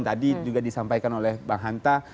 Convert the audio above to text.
di sampaikan oleh bang hanta